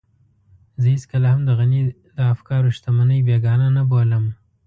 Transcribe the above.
زه هېڅکله هم د غني د افکارو شتمنۍ بېګانه نه بولم.